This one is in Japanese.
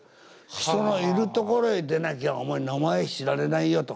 「人のいるところへ出なきゃお前名前知られないよと。